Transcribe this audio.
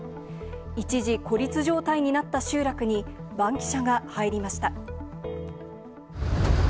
一時、孤立状態になった集落に、バンキシャが入りました。